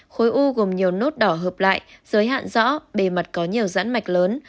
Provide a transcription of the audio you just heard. khối u gồm nhiều nốt đỏ hợp lại giới hạn rõ bề mặt có nhiều rãn mạch lớn